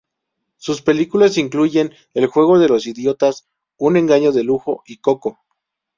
Sus películas incluyen "El juego de los idiotas", "Un engaño de lujo" y "Coco".